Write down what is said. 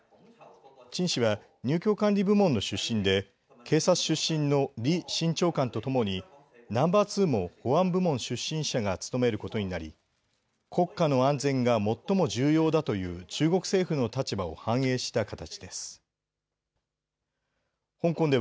陳氏は入境管理部門の出身で警察出身の李新長官と共にナンバー２も保安部門出身者が務めることになり国家の安全が最も重要だという中国政府の立場を反映した形です。